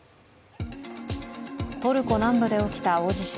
トルコ南部で起きた大地震。